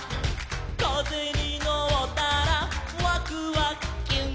「かぜにのったらワクワクキュン」